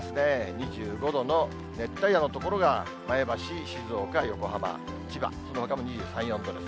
２５度の熱帯夜の所が前橋、静岡、横浜、千葉、そのほかも２３、４度です。